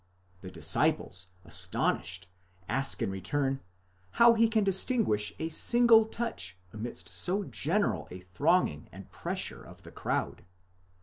The disciples, astonished, ask in return, how he can distinguish a single touch amidst so general a thronging and pressure of the crowd.